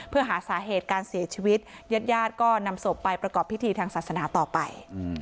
เพื่อหาสาเหตุการเสียชีวิตญาติญาติก็นำศพไปประกอบพิธีทางศาสนาต่อไป